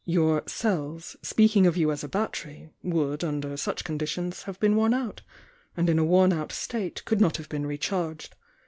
Your 'cells,' speaking of you as a battery, would, under such conditions, have been worn out, and in a worn out state could not have been recharged.